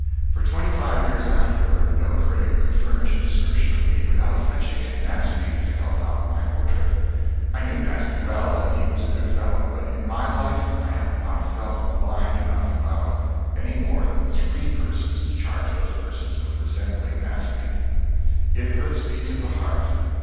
For twenty five years afterward, no critic could furnish a description of me without fetching in Nasby to help out my portrait. I knew Nasby well, and he was a good fellow, but in my life I have not felt malignant enough about any more than three persons to charge those persons with resembling Nasby. It hurts me to the heart.